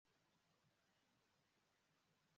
uko imana idahwema kutugirira imbabazi